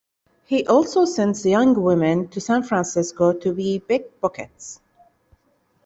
He also sends young women to San Francisco to be pickpockets.